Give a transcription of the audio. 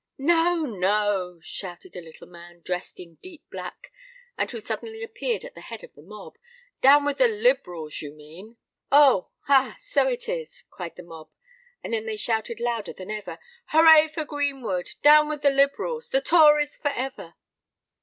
"No—no!" shouted a little man, dressed in deep black, and who suddenly appeared at the head of the mob: "down with the Liberals, you mean!" "Oh—ah! so it is!" cried the mob; and then they shouted louder than ever, "Hooray for Greenwood! Down with the Liberals! The Tories for ever!"